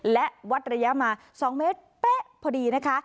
และวัดระยะมา๒เมตรเป๊ะพอดีนะคะ